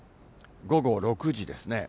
午後６時ですね。